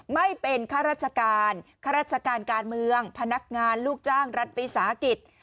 ไม่เป็นข้าราชการข้าราชการการเมืองพนักงานลูกจ้างรัฐวิสาหกิจ